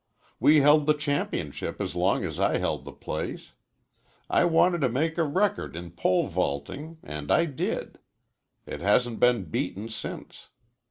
We held the championship as long as I held the place. I wanted to make a record in pole vaulting, and I did. It hasn't been beaten since.